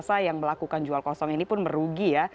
masa yang melakukan jual kosong ini pun merugi ya